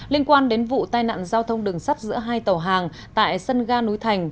liên quan đến vụ tai nạn giao thông đường sắt giữa hai tàu hàng tại sân ga núi thành